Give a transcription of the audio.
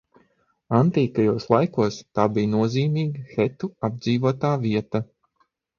Antīkajos laikos tā bija nozīmīga hetu apdzīvotā vieta.